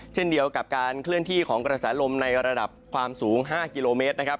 เช่นเดียวกับการเคลื่อนที่ของกระแสลมในระดับความสูง๕กิโลเมตรนะครับ